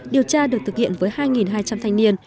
điều tra được thực hiện với hai hai trăm linh thanh niên